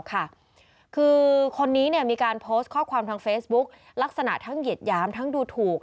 คือคนนี้มีการโพสต์ข้อความทางเฟซบุ๊กลักษณะทั้งเหยียดหยามทั้งดูถูก